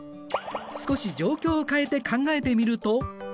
少し状況を変えて考えてみると？